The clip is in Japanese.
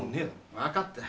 分かったよ。